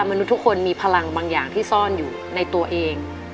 มนุษย์ทุกคนมีพลังบางอย่างที่ซ่อนอยู่ในตัวเอง